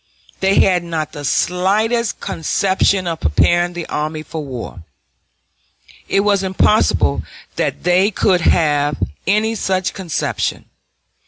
They had not the slightest conception of preparing the army for war. It was impossible that they could have any such conception.